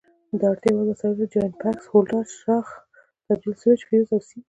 د اړتیا وړ وسایل: جاینټ بکس، هولډر، څراغ، تبدیل سویچ، فیوز او سیم.